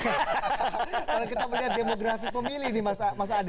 kalau kita melihat demografi pemilih ini mas ade